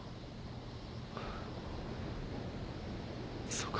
そうか。